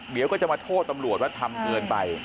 เดี๋ยวก็จะมาโทษตำรวจว่าทำเกินไป